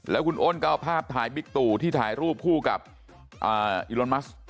แล้วคุณอ้นก็เอาภาพถ่ายบิ๊กตู่ที่ถ่ายรูปคู่กับอิโลนมัส